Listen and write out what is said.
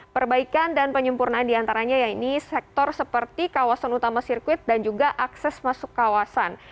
perbaikan dan penyempurnaan diantaranya ya ini sektor seperti kawasan utama sirkuit dan juga akses masuk kawasan